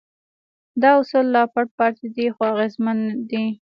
دا اصول لا پټ پاتې دي خو اغېزمن دي.